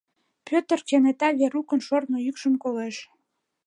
Пӧтыр кенета Верукын шортмо йӱкшым колеш.